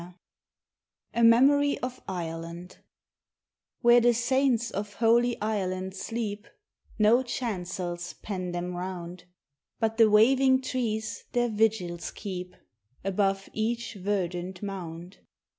X A MEMORY OF IRELAND WHERE the saints of Holy Ireland sleep No chancels pen them round, But the waving trees their vigils keep Above each verdant mound.